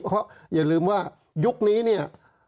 เพราะอย่าลืมว่ายุคนี้เนี่ย